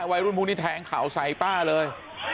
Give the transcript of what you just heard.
วัยรุ่นพวกนี้แทงเข่าใส่ป้าเลย